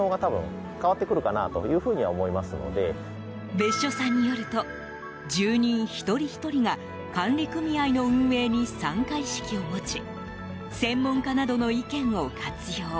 別所さんによると住人一人ひとりが管理組合の運営に参加意識を持ち専門家などの意見を活用